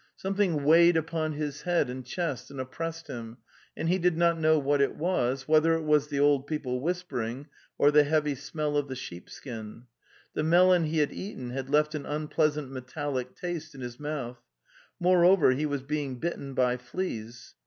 Something weighed upon his head and chest and oppressed him, and he did not know what it was, whether it was the old people whispering, or the heavy smell of the sheepskin. The melon he had eaten had left an unpleasant metallic taste in his mouth. Moreover he was being bitten by fleas.